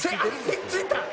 ひっついた！